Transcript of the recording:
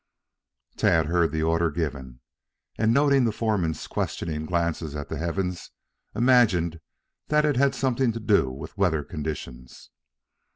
Tad heard the order given, and noting the foreman's questioning glances at the heavens, imagined that it had something to do with weather conditions.